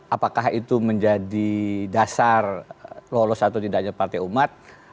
apakah itu menjadi dasar lolos atau tidaknya partai umat